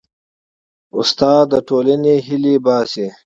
استاد د ټولنې هیلې باسي.